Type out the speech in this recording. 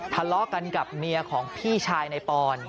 ทะเลาะกันกับเมียของพี่ชายในปอน